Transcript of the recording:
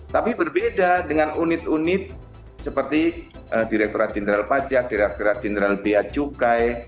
tapi berbeda dengan unit unit seperti direkturat jenderal pajak direkturat jenderal bia cukai